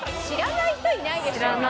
知らない人いないでしょ。